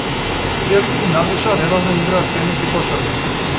Сергеј и Наташа редовно играат тенис и кошарка.